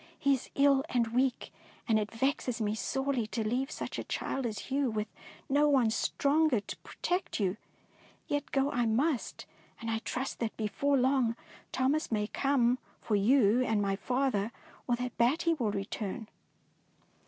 He is ill and weak, and it vexes me sorely to leave such a child as you with no one stronger to protect you. Yet go I must, and I trust that before long Thomas may come for you and my father, or that Batty will return."